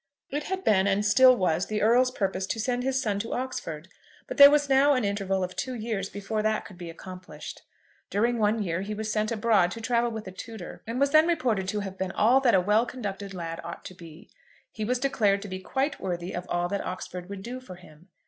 It had been, and still was, the Earl's purpose to send his son to Oxford, but there was now an interval of two years before that could be accomplished. During one year he was sent abroad to travel with a tutor, and was then reported to have been all that a well conducted lad ought to be. He was declared to be quite worthy of all that Oxford would do for him.